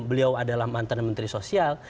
beliau adalah mantan menteri sosial